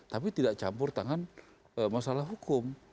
tapi tidak campur tangan masalah hukum